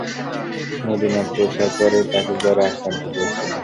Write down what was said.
মদীনায় পৌঁছার পরই তাকে জ্বরে আক্রান্ত করেছিল।